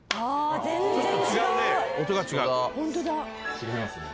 違いますね。